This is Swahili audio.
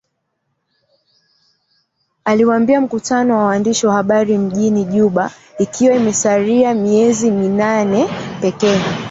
Aliuambia mkutano wa waandishi wa habari mjini Juba ikiwa imesalia miezi minane pekee.